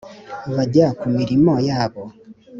Bajya ku mirimo yabo